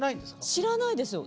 知らないですよ。